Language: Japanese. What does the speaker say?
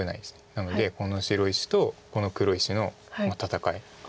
なのでこの白石とこの黒石の戦い。